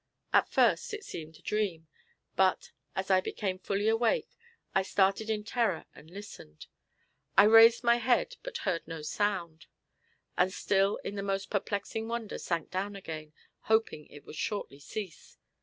At first it seemed a dream; but, as I became fully awake, I started in terror and listened. I raised my head, but heard no sound, and still in the most perplexing wonder sank down again, hoping it would shortly cease.